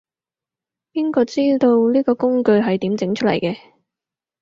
邊個知道，呢個工具係點整出嚟嘅